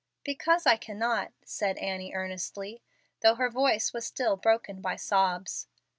"Because I cannot," said Annie, earnestly, though her voice was still broken by sobs.